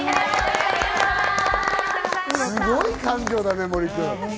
すごい感情だね、森君。